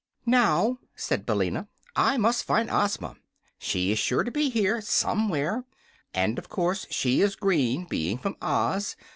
"Now," said Billina, "I must find Ozma. She is sure to be here, somewhere, and of course she is green, being from Oz.